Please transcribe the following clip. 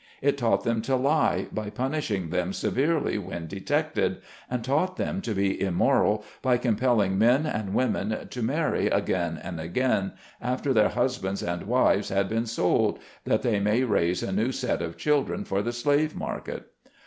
It taught them to lie, by punishing them severely when detected, and taught them to be immoral by compelling men and women to marry again and again, after their husbands and wives had been sold, that they may raise a new set of children for the slave market.